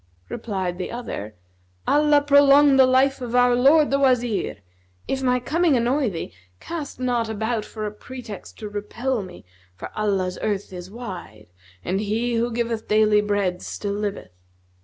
Replied the other, "Allah prolong the life of our lord the Wazir! If my coming annoy thee, cast not about for a pretext to repel me, for Allah's earth is wide and He who giveth daily bread still liveth.